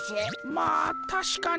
まあたしかに。